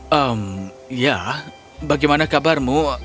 hmm ya bagaimana kabarmu